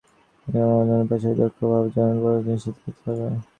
একযোগে দুই দেশেরই বন্দরের অবকাঠামোর উন্নয়নের পাশাপাশি দক্ষ জনবল নিশ্চিত করতে হবে।